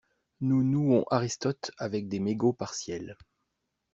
Nous nouons Aristote avec des mégots partiels.